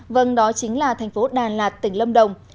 vâng đó chính là thành phố đà lạt tỉnh lâm đồng